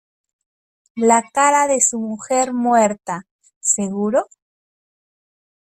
la cara de su mujer muerta. ¿ seguro?